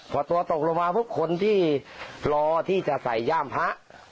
พอตัวตกลงมาปุ๊บคนที่รอที่จะใส่ย่ามพระ